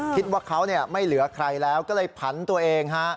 คิดว่าเขาไม่เหลือใครแล้วก็เลยผันตัวเองฮะ